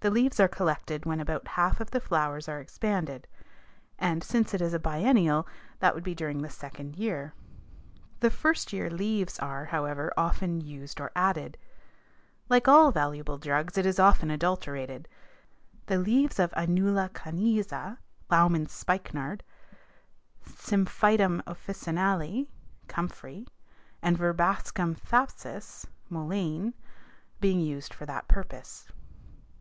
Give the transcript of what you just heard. The leaves are collected when about half of the flowers are expanded and, since it is a biennial, that would be during the second year. The first year leaves are, however, often used or added. Like all valuable drugs it is often adulterated, the leaves of Inula Conyza (ploughman's spikenard), Symphytum officinale (comfrey), and Verbascum Thapsus (mullein) being used for that purpose.